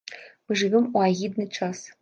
Мы жывём у агідны час.